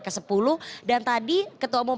ke sepuluh dan tadi ketua umum